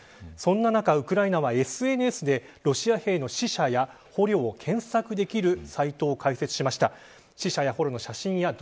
そんな中、ウクライナはＳＮＳでロシア兵の死者や捕虜を検索できるサイトを開設しました。